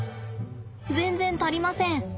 全然足りません。